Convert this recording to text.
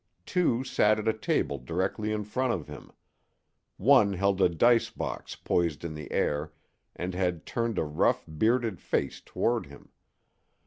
Two sat at a table directly in front of him. One held a dice box poised in the air, and had turned a rough, bearded face toward him.